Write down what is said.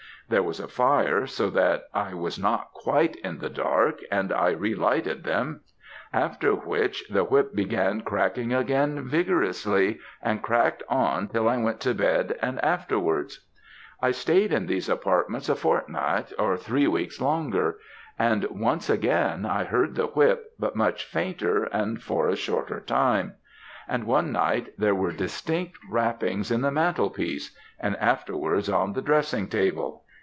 There was a fire, so that I was not quite in the dark, and I re lighted them; after which the whip began cracking again vigorously, and cracked on till I went to bed and afterwards. I stayed in these apartments a fortnight or three weeks longer; and once, again, I heard the whip, but much fainter and for a shorter time; and one night there were distinct rappings on the mantel piece, and afterwards on the dressing table.